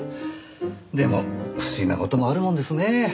でも不思議な事もあるもんですね。